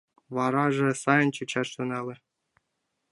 Вараже сайын чучаш тӱҥале.